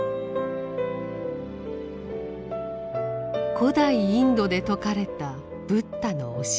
古代インドで説かれたブッダの教え。